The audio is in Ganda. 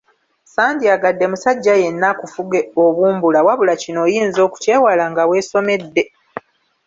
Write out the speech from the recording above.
Ssandyagadde musajja yenna akufuge obumbula wabula kino oyinza okukyewala nga weesomedde.